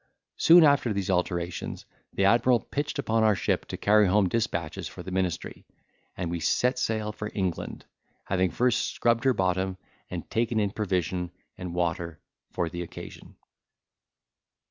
Soon after these alterations, the admiral pitched upon our ship to carry home dispatches for the ministry; and we set sail for England, having first scrubbed her bottom, and taken in provision and water for the occasion.